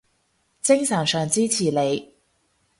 精神上支持你